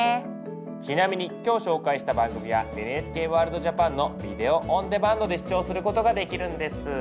ちなみに今日紹介した番組は「ＮＨＫＷＯＲＬＤＪＡＰＡＮ」のビデオオンデマンドで視聴することができるんです。